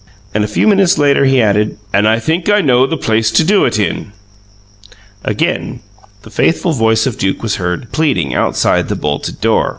And a few minutes later he added, "And I think I know the place to do it in." Again the faithful voice of Duke was heard, pleading outside the bolted door.